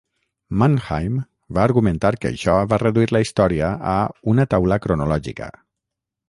Mannheim va argumentar que això va reduir la història a "una taula cronològica".